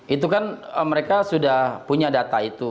itu kan mereka sudah punya data itu